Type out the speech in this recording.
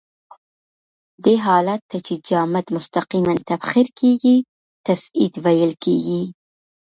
دې حالت ته چې جامد مستقیماً تبخیر کیږي تصعید ویل کیږي.